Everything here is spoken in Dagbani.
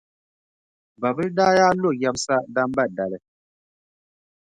Babila daa yaa lo yɛbisa Damba dali.